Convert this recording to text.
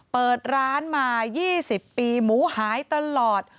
เปิดร้านมา๒๐ปีหมูหายตลอด